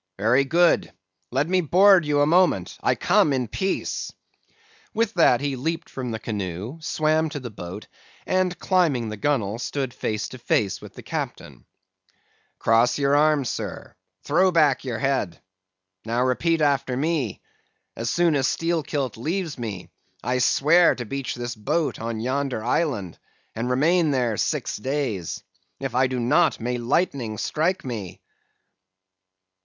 "'Very good. Let me board you a moment—I come in peace.' With that he leaped from the canoe, swam to the boat; and climbing the gunwale, stood face to face with the captain. "'Cross your arms, sir; throw back your head. Now, repeat after me. As soon as Steelkilt leaves me, I swear to beach this boat on yonder island, and remain there six days. If I do not, may lightnings strike me!